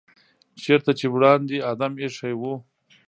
چېرته چې وړاندې آدم ایښی و.